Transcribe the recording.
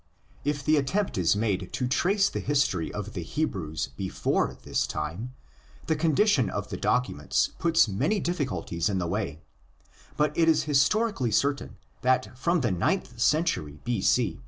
If the attempt is made to trace the history of the Hebrews before this time, the condition of the docu ments puts many difficulties in the way; but it is historically certain that from the ninth century B.c.